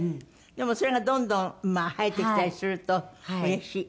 でもそれがどんどん生えてきたりするとうれしい？